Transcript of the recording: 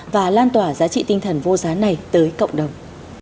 và lan tỏa giá trị tinh thần vô giá này tới cộng đồng